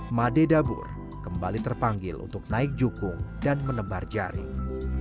imadidabur kembali terpanggil untuk naik jukung dan menebar jaring